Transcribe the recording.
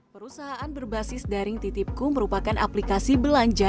perusahaan berbasis daring titipku merupakan aplikasi belanja